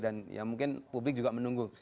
dan ya mungkin publik juga menunggu